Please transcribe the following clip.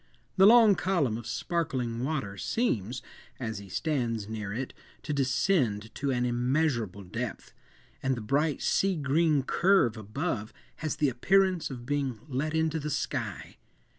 The long column of sparkling water seems, as he stands near it, to descend to an immeasurable depth, and the bright sea green curve above has the appearance of being let into the sky.